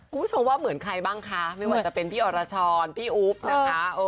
คุณผู้ชมว่าเหมือนใครบ้างคะไม่ว่าจะเป็นพี่อรชรพี่อุ๊บนะคะ